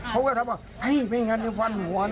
พวกเขาทำว่าไม่งั้นมีฟันหัวนะ